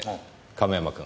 亀山君。